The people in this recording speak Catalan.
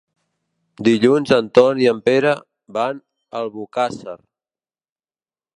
Dilluns en Ton i en Pere van a Albocàsser.